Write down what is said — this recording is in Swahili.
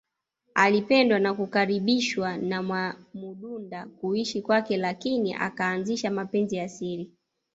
Alipendwa na kukaribishwa na Mwamududa kuishi kwake lakini akaanzisha mapenzi ya siri